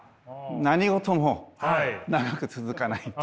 何事も長く続かない。